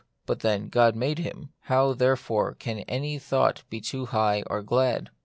But then God made him ; how, therefore, can any thought be too high or glad ?